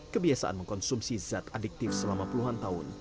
kebiasaan mengkonsumsi zat adiktif selama puluhan tahun